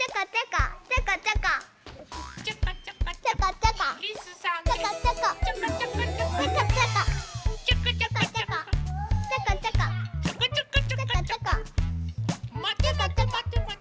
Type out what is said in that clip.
まてまてまてまてまて。